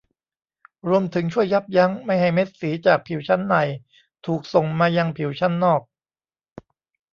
รวมถึงช่วยยับยั้งไม่ให้เม็ดสีจากผิวชั้นในถูกส่งมายังผิวชั้นนอก